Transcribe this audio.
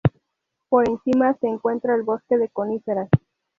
Por encima, se encuentra el bosque de coníferas.